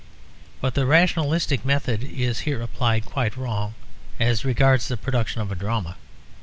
But the rationalistic method is here applied quite wrong as regards the production of a drama.